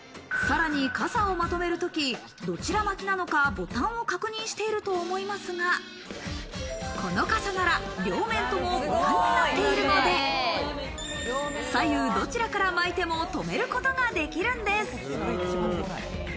さらに傘をまとめる時、どちら巻きなのかボタンを確認していると思いますが、この傘なら両面ともボタンになっているので、左右どちらから巻いても止めることができるんです。